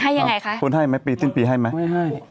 ให้อย่างไรคะพูดให้ไหมปีติ้นปีให้ไหมไม่ให้